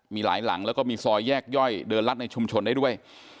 มีหลายหลังแล้วก็มีซอยแยกย่อยเดินรัดในชุมชนได้ด้วย